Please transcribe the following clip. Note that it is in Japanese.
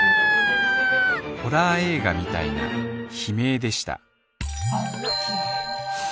ホラー映画みたいな悲鳴でした